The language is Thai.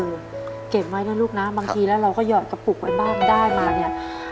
เก็บไว้นะลูกนะบางทีแล้วเราก็หอดกระปุกไว้บ้างได้มาเนี่ย